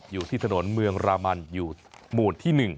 อยู่ที่ถนนเมืองรามันอยู่หมู่ที่๑